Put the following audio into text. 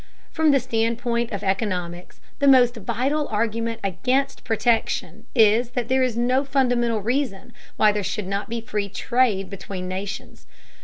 From the standpoint of economics, the most vital argument against protection is that there is no fundamental reason why there should not be free trade between nations.